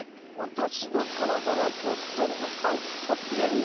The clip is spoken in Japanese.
私の体は今日全部アントシアニン。